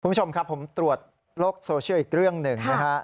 คุณผู้ชมครับผมตรวจโลกโซเชียลอีกเรื่องหนึ่งนะฮะ